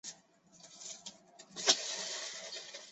最重要的成就为莫雷角三分线定理。